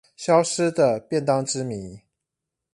消失的便當之謎